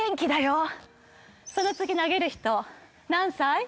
その次投げる人「何歳？」